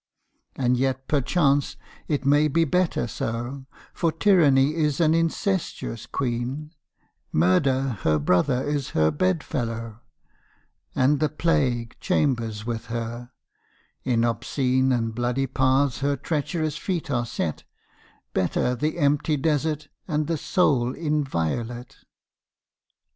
And yet perchance it may be better so, For Tyranny is an incestuous Queen, Murder her brother is her bedfellow, And the Plague chambers with her: in obscene And bloody paths her treacherous feet are set; Better the empty desert and a soul inviolate!